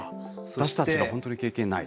私たちが本当に経験ない。